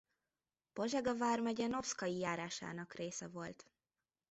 Pozsega vármegye Novszkai járásának része volt.